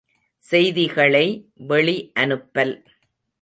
செய்திகளை வெளி அனுப்பல்.